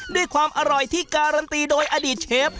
ด้วยความอร่อยที่การันตีโดยอดีตเชฟ